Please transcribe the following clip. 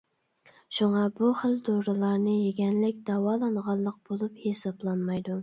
شۇڭا بۇ خىل دورىلارنى يېگەنلىك «داۋالانغانلىق» بولۇپ ھېسابلانمايدۇ.